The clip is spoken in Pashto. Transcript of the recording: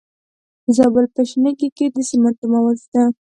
د زابل په شنکۍ کې د سمنټو مواد شته.